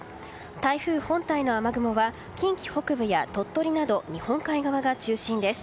台風本体の雨雲は近畿北部や鳥取など日本海側が中心です。